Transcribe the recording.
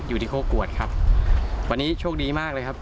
อยู่ที่โคกรวดครับวันนี้โชคดีมากเลยครับ